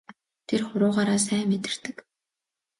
Тэр хуруугаараа сайн мэдэрдэг.